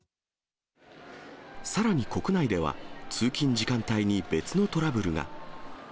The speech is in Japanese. さらに国内では、通勤時間帯に別のトラブルが。